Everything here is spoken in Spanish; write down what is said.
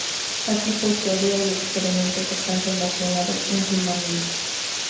Así pues, teoría y experimentos están relacionados íntimamente.